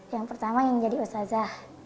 yang pertama ingin jadi ustazah